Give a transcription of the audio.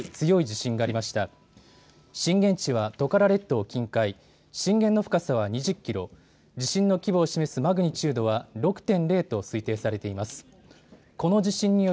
震源地はトカラ列島近海、震源の深さは２０キロ、地震の規模を示すマグニチュードは６．０と推定されています。